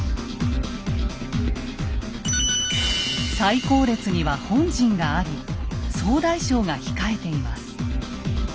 最後列には本陣があり総大将が控えています。